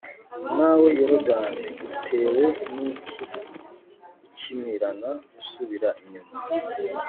nawe yorudani, utewe n'iki gukimirana usubira inyuma